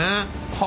は